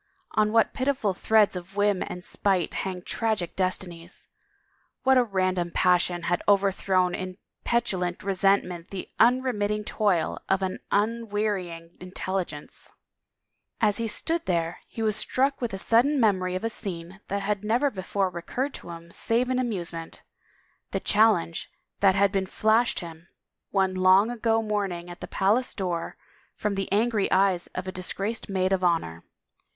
On what pitiful threads of whim and spite hang tragic destinies! What a ran dom passion had overthrown in petulant resentment the imremitting toil of an unwearying intelligence I As he stood there he was struck with a sudden memory of a scene that had never before recurred to him save in amusement — the challenge that had been flashed him, one long ago morning at the palace door, from the angry eyes of a disgraced maid of honor.